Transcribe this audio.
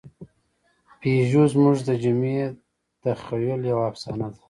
پيژو زموږ د جمعي تخیل یوه افسانه ده.